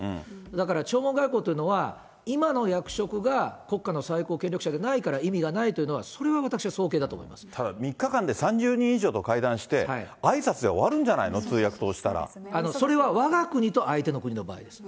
だから、弔問外交というのは、今の役職が国家の最高権力者じゃないから意味がないというのは、ただ、３日間で３０人以上と会談して、あいさつで終わるんじゃないの、それはわが国と相手の国の場合です。